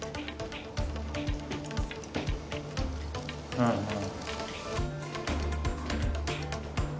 うんうん。